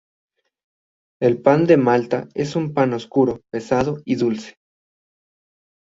El pan de malta es un pan oscuro, pesado y dulce.